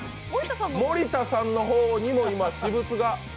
森田さんの方にも今、私物が！